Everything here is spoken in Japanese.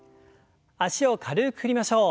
脚を軽く振りましょう。